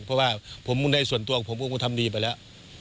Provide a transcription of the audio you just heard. เพราะว่าในส่วนตัวของผมผมก็ทำดีไปแล้ว